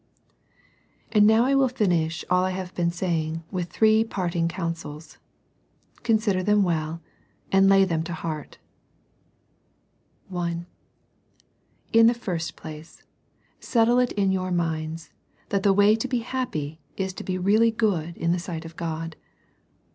And now I will finish all I have been saying with three parting counsels. Consider them well, and lay them to heart. (i) In the first place, settle it in your minds, that the way to be happy is to be really good in the sight of God.